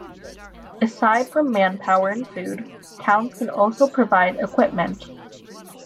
Aside from manpower and food, towns can also provide equipment.